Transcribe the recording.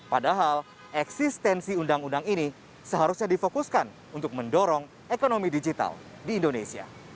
padahal eksistensi undang undang ini seharusnya difokuskan untuk mendorong ekonomi digital di indonesia